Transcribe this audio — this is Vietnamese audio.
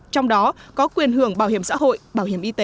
trong đó có quyền hưởng bảo hiểm xã hội bảo hiểm y tế